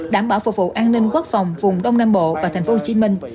đảm bảo phục vụ an ninh quốc phòng vùng đông nam bộ và tp hcm